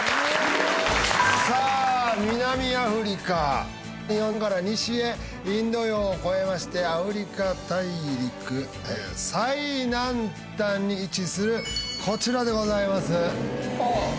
さあ南アフリカ日本から西へインド洋を越えましてアフリカ大陸最南端に位置するこちらでございます